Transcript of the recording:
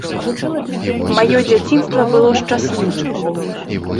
Маё дзяцінства было шчаслівым.